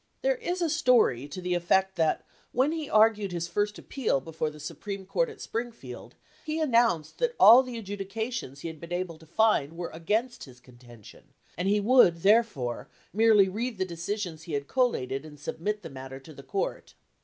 There is a story to the effect that when he argued his first appeal before the Supreme Court at Springfield, he announced that all the adjudi cations he had been able to find were against his contention, and he would, therefore, merely read the decisions he had collated and submit the mat ter to the court.